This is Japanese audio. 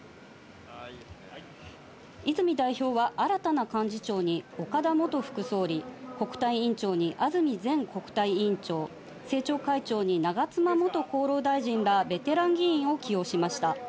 泉代表は新たな幹事長に、岡田元副総理、国対委員長に安住前国対委員長、政調会長に長妻元厚労大臣らベテラン議員を起用しました。